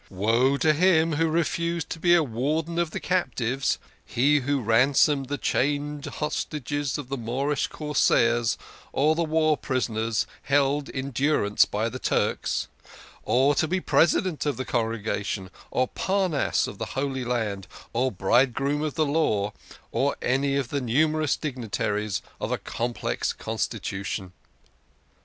Woe to THE KING OF SCHNORRERS. 107 him who refused to be Warden of the Captives he who ransomed the chained hostages of the Moorish Corsairs, or the war prisoners held in durance by the Turks or to be President of the Congregation, or Parnass of the Holy Land, or Bridegroom of the Law, or any of the numerous dignitaries of a complex constitution.